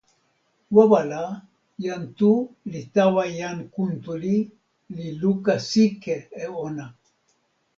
wawa la, jan Tu li tawa jan Kuntuli, li luka sike e ona.